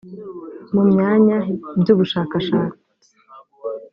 mu myanya by ubushakashatsi